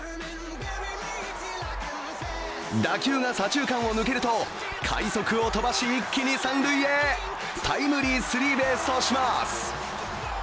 打球が左中間を抜けると快足を飛ばし、一気に三塁へ、タイムリースリーベースとします。